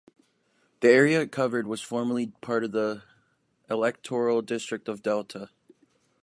The area it covered was formerly part of the electoral district of Delta.